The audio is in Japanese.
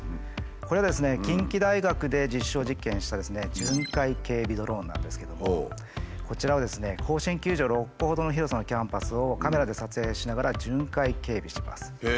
これはですね近畿大学で実証実験したこちらは甲子園球場６個ほどの広さのキャンパスをカメラで撮影しながら巡回警備します。